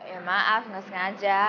ya maaf gak sengaja